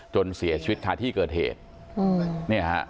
จนเสียชีวิตคาที่เกิดเหตุเนี่ยฮะ